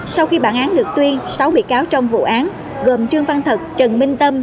sau khi bản án được tuyên sáu bị cáo trong vụ án gồm trương văn thật trần minh tâm